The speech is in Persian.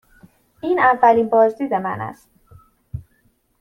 این اولین بازدید من است.